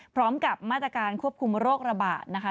พร้อมกับมาตรการควบคุมโรคระบาดนะคะ